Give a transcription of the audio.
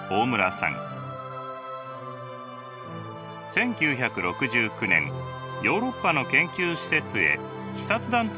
１９６９年ヨーロッパの研究施設へ視察団として参加します。